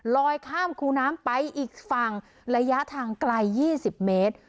ลอยข้ามคูน้ำไปอีกฝั่งระยะทางไกล๒๐เมตร